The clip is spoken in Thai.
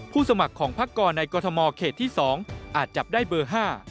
สมัครของพักกรในกรทมเขตที่๒อาจจับได้เบอร์๕